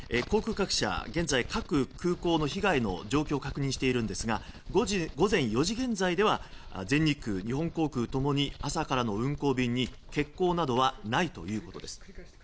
航空各社各空港の被害の状況を確認しているんですが午前４時現在では全日空、日本航空共に朝からの運航便に欠航などはないということです。